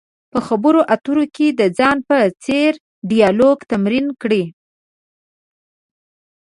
په خبرو اترو کې د ځان په څېر ډیالوګ تمرین کړئ.